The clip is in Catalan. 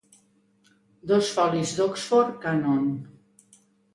Dos folis d'Oxford Canon.